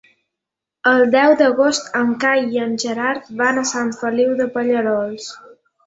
El deu d'agost en Cai i en Gerard van a Sant Feliu de Pallerols.